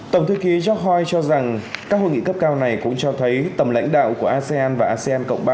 tổng thư ký johnoy cho rằng các hội nghị cấp cao này cũng cho thấy tầm lãnh đạo của asean và asean cộng ba